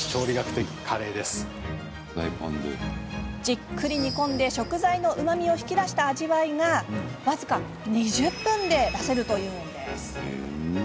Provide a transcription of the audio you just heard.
じっくり煮込んで食材のうまみを引き出した味わいが僅か２０分で出せるというんです。